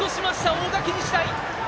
大垣日大！